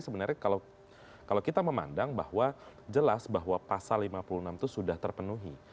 sebenarnya kalau kita memandang bahwa jelas bahwa pasal lima puluh enam itu sudah terpenuhi